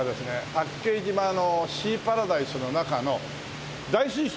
八景島のシーパラダイスの中の大水槽。